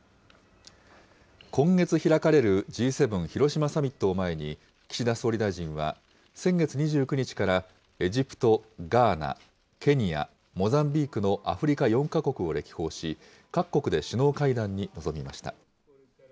今月開かれるＧ７広島サミットを前に、岸田総理大臣は先月２９日からエジプト、ガーナ、ケニア、モザンビークのアフリカ４か国を歴訪し、各国で首脳会談に臨みました。